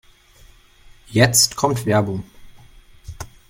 Jetzt kommt Werbung.